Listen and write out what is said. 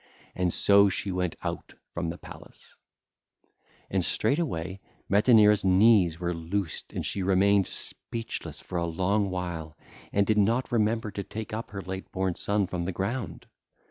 And so she went out from the palace. (ll. 281 291) And straightway Metaneira's knees were loosed and she remained speechless for a long while and did not remember to take up her late born son from the ground.